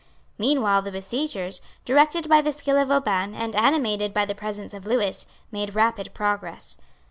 Meanwhile the besiegers, directed by the skill of Vauban and animated by the presence of Lewis, made rapid progress.